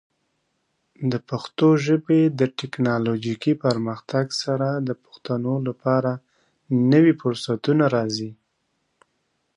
د پښتو ژبې د ټیکنالوجیکي پرمختګ سره، د پښتنو لپاره نوې فرصتونه راځي.